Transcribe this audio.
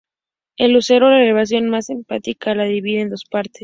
El Lucero, la elevación más emblemática, la divide en dos partes.